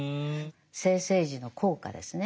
生政治の効果ですね。